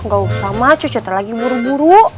gak usah ma cucu teh lagi buru buru